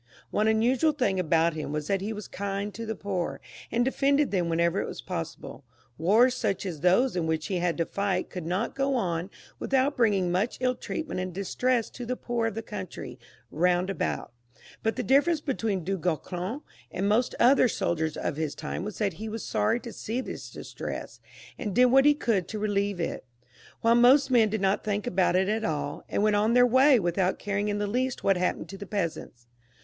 One unusual thing about him was that he was kind to the poor, and defended them whenever it was possible. Wars such as those in which he had to fight could not go on without bringing much ill treatment and distress to the poor of the country round about, but the difference be tween Du Guesclin and most other soldiers of his time was that he was sorry to see this distress, and did what he could to relieve it, while most men did not think about it at all, and wenF on their own way without caring in the least what happened to the peasants.